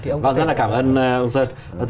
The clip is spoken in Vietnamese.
rất là cảm ơn ông sơn